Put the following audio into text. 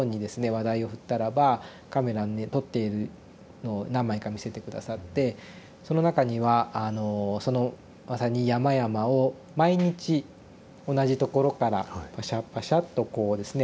話題を振ったらばカメラで撮っているのを何枚か見せて下さってその中にはあのそのまさに山々を毎日同じところからパシャパシャッとこうですね